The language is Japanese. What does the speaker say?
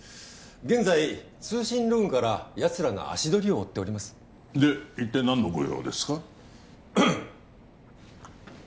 現在通信ログからやつらの足取りを追っておりますで一体何のご用ですか？